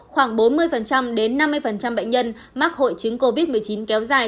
khoảng bốn mươi đến năm mươi bệnh nhân mắc hội chứng covid một mươi chín kéo dài